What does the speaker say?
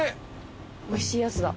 おいしいやつだ。